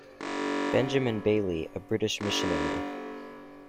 Benjamin Bailey, a British missionary.